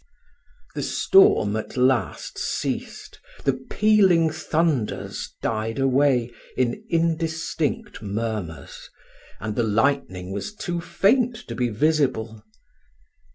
The storm at last ceased, the pealing thunders died away in indistinct murmurs, and the lightning was too faint to be visible.